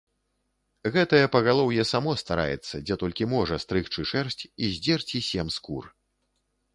Гэтае пагалоўе само стараецца, дзе толькі можа стрыгчы шэрсць і здзерці сем скур.